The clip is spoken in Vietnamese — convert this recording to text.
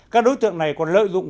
các đối tượng này còn lợi dụng